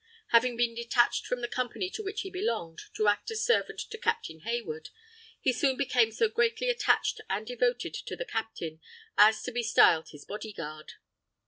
Having been detached from the company to which he belonged, to act as servant to Captain Hayward, he soon became so greatly attached and devoted to the captain, as to be styled his "body guard."